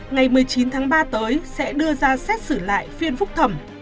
ngày một mươi chín tháng ba tới sẽ đưa ra xét xử lại phiên phúc thẩm